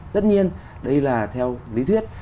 tất nhiên đây là theo lý thuyết